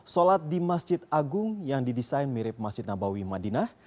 sholat di masjid agung yang didesain mirip masjid nabawi madinah